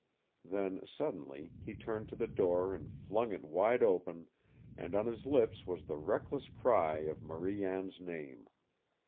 Then suddenly, he turned to the door and flung it wide open, and on his lips was the reckless cry of Marie Anne's name.